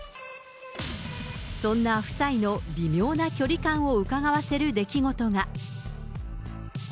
そんな夫妻の微妙な距離感をうかがわせる出来事が。